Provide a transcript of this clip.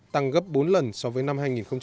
tăng gấp bốn lần so với năm hai nghìn một mươi